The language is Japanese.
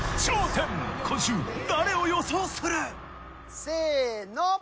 今週誰を予想する？せの！